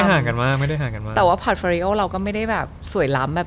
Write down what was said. แต่ตัดภาพเป็นของเราอาจรูป